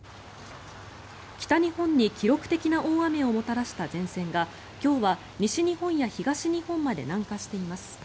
北日本に記録的な大雨をもたらした前線が今日は西日本や東日本まで南下しています。